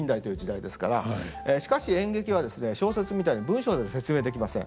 しかし演劇はですね小説みたいに文章で説明できません。